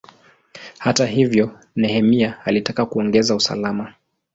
Hata hivyo, Nehemia alitaka kuongeza usalama.